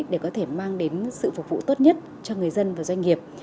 để có thể mang đến sự phục vụ tốt nhất cho người dân và doanh nghiệp